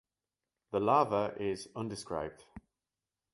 The larva is undescribed.